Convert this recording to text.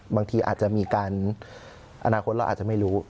บางทีอาจจะมีการอนาคตเราอาจจะไม่รู้